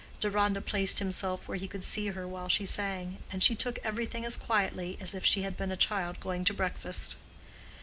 Deronda placed himself where he could see her while she sang; and she took everything as quietly as if she had been a child going to breakfast.